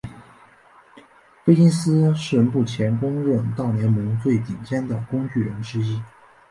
菲金斯是目前公认大联盟最顶尖的工具人之一。